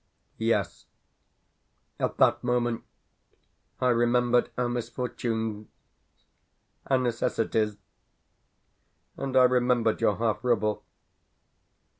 Yes, at that moment I remembered our misfortunes, our necessities, and I remembered your half rouble.